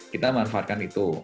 kita manfaatkan itu